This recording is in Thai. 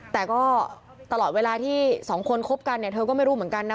แต่ก็ตลอดเวลาที่สองคนคบกันเนี่ยเธอก็ไม่รู้เหมือนกันนะ